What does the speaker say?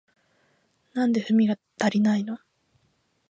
なんで文が足りないの？